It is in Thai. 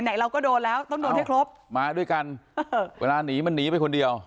เราก็โดนแล้วต้องโดนให้ครบมาด้วยกันเวลาหนีมันหนีไปคนเดียว